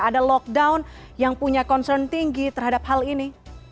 ada lockdown yang punya concern tinggi terhadap hal ini